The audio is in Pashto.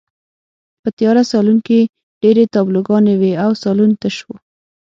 په تیاره سالون کې ډېرې تابلوګانې وې او سالون تش و